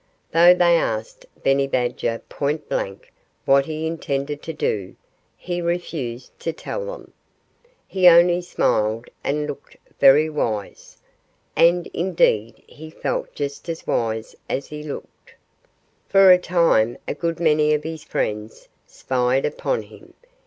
Though they asked Benny Badger point blank what he intended to do, he refused to tell them. He only smiled, and looked very wise. And indeed he felt just as wise as he looked. For a time a good many of his friends spied upon him.